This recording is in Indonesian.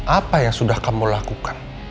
apa yang sudah kamu lakukan